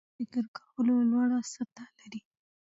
دریم د فکر کولو لوړه سطحه لري.